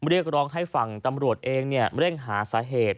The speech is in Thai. เรียกร้องให้ฝั่งตำรวจเองเร่งหาสาเหตุ